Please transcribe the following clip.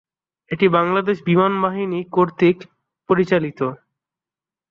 এটি বাংলাদেশ বিমান বাহিনী কর্তৃক পরিচালিত।